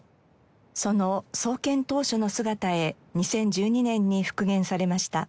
その創建当初の姿へ２０１２年に復元されました。